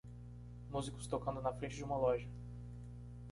Músicos tocando na frente de uma loja